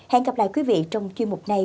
hẹn gặp lại quý vị trong chuyên mục này